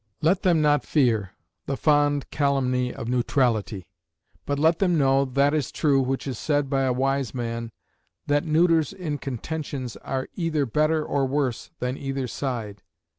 "Let them not fear ... the fond calumny of neutrality; but let them know that is true which is said by a wise man, that neuters in contentions are either better or worse than either side.